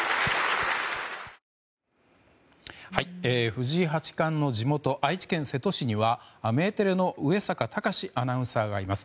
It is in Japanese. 藤井八冠の地元愛知県瀬戸市にはメテレの上坂嵩アナウンサーがいます。